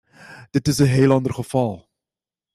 Dat is een heel ander geval.